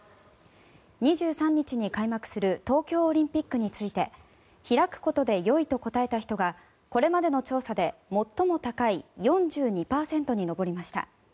２３日に開幕する東京オリンピックについて開くことでよいと答えた人がこれまでの調査で最も高い４２％に上りました。